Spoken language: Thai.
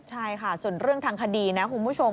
ใช่ค่ะส่วนเรื่องทางคดีนะคุณผู้ชม